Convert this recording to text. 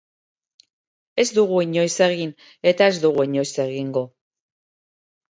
Ez dugu inoiz egin, eta ez dugu inoiz egingo.